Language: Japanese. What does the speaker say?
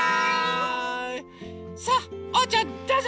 さあおうちゃんどうぞ！